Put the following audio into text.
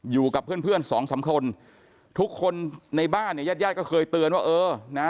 อยู่กับเพื่อน๒๓คนทุกคนในบ้านเนี่ยญาติก็เคยเตือนว่าเออนะ